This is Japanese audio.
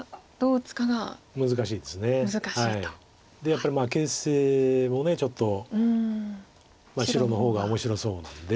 やっぱり形勢もちょっと白の方が面白そうなので。